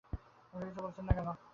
আপনি কিছু বলছেন না কেনো?